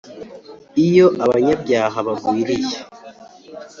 iyo abanyabyaha bagwiriye,